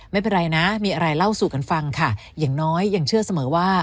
ไม่เป็นไรนะมีอะไรเล่าสู่กันฟังค่ะอย่างน้อยยังเชื่อเสมอว่า